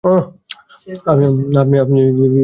আপনিই গিয়ে দিয়ে আসুন।